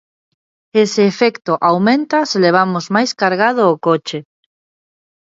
Ese efecto aumenta se levamos máis cargado o coche.